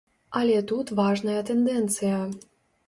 Але тут важная тэндэнцыя.